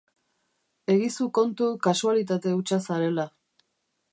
Egizu kontu kasualitate hutsa zarela.